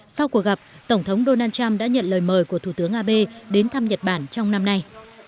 sau cuộc gặp tổng thống donald trump đã nhận lời mời của thủ tướng abe đến thăm nhật bản trong năm nay